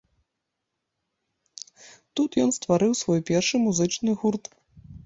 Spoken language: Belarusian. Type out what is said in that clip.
Тут ён стварыў свой першы музычны гурт.